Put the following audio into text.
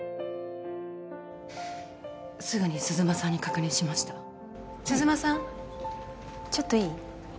すぐに鈴間さんに確認しました鈴間さんちょっといい？